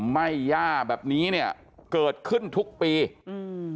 ไม่ย่าแบบนี้เนี้ยเกิดขึ้นทุกปีอืม